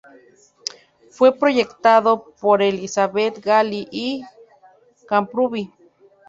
Fue proyectado por Elisabeth Galí i Camprubí.